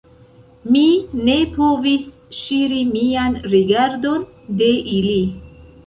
Mi ne povis ŝiri mian rigardon de ili.